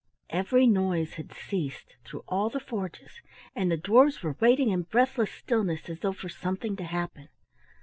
Every noise has ceased through all the forges, and the dwarfs were waiting in breathless stillness as though for something to happen.